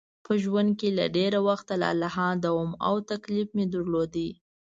په ژوند کې له ډېر وخته لالهانده وم او تکلیف مې درلود.